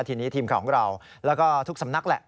ทีนี้ทีมข่าวของเราแล้วก็ทุกสำนักแหละ